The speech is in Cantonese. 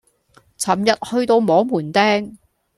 尋日去到摸門釘